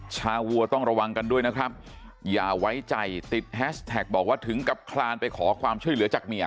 ชาวัวต้องระวังกันด้วยนะครับอย่าไว้ใจติดแฮชแท็กบอกว่าถึงกับคลานไปขอความช่วยเหลือจากเมีย